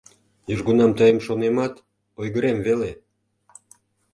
Южгунам тыйым шонемат — ойгырем веле...